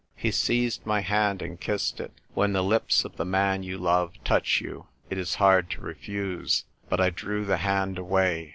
He seized my hand and kissed it. When the lips of the man you love touch you, it is hard to refuse. But I drew the hand away.